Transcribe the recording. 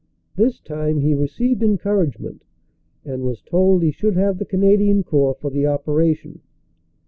This time he received encouragement, and was told he should have the Canadian Corps for the operation.